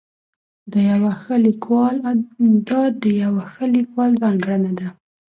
دا د یوه ښه لیکوال ځانګړنه ده.